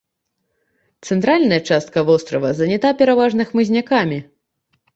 Цэнтральная частка вострава занята пераважна хмызнякамі.